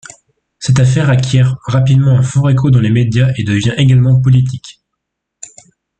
Cette affaire acquiert rapidement un fort écho dans les médias et devient également politique.